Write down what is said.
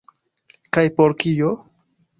Kaj por kio?